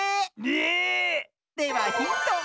えっ⁉ではヒント。